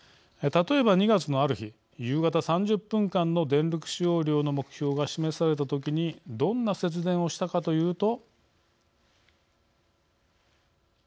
例えば、２月のある日夕方３０分間の電力使用量の目標が示されたときにどんな節電をしたかというと。